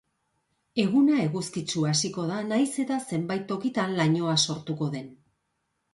Eguna eguzkitsu hasiko da, nahiz eta zenbait tokitan lainoa sartuko den.